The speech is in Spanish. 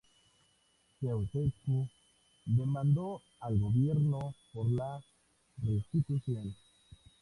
Ceaușescu demandó al gobierno para la restitución.